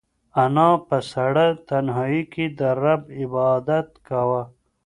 انا په سړه تنهایۍ کې د رب عبادت کاوه.